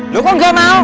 lu kok enggak mau